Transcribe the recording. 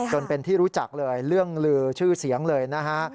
จนเป็นที่รู้จักเลยเรื่องลือชื่อเสียงเลยนะฮะ